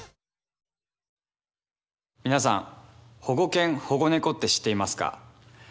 保護犬保護猫って知っていますか？